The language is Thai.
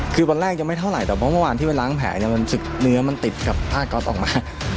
คือวันแรกยังไม่เท่าไหร่แต่เพราะเมื่อวานที่ไปล้างแผลเนี่ยมันเนื้อมันติดกับผ้าก๊อฟออกมา